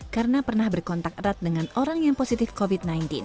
karena pernah berkontak erat dengan orang yang positif covid sembilan belas